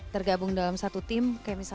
tergabung dalam satu tim